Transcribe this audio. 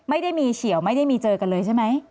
ไม่ได้มีเฉียวไม่ได้มีเจอกันเลยใช่ไหม